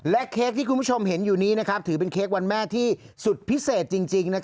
เค้กที่คุณผู้ชมเห็นอยู่นี้ถือเป็นเค้กวันแม่ที่สุดพิเศษจริง